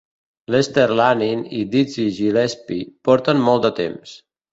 Lester Lanin i Dizzy Gillespie porten molt de temps.